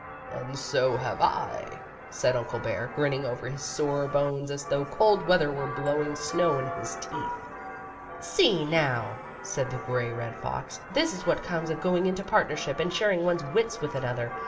" And so have I," said Uncle Bear, grinning over his sore bones as though cold weather were blowing snow in his teeth. " See, now," said the Great Red Fox, " this is what comes of going into partnership, and sharing one's wits with another.